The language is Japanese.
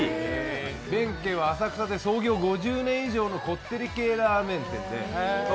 弁慶は浅草で創業５０年以上のこってりラーメンですね。